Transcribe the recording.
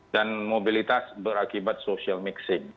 dan mobilitas berakibat social mixing